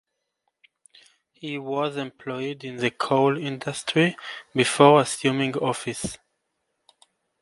He was employed in the coal industry before assuming office.